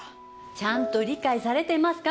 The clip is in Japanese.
ちゃんと理解されてますか？